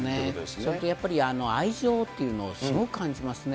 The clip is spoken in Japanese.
それとやっぱり、愛情っていうのをすごく感じますね。